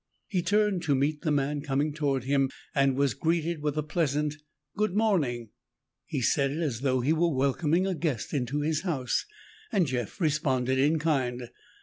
He turned to meet the man coming toward him and was greeted with a pleasant, "Good morning." He said it as though he were welcoming a guest into his house, and Jeff responded in kind.